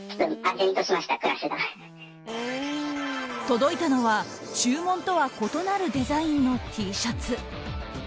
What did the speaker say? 届いたのは、注文とは異なるデザインのＴシャツ。